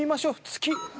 月。